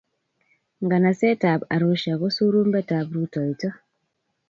Nganasetab Arusha ko surumbetab rutoito.